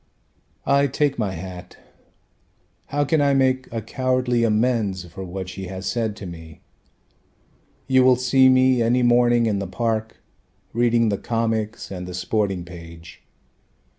I take my hat: how can I make a cowardly amends For what she has said to me? You will see me any morning in the park Reading the comics and the sporting page.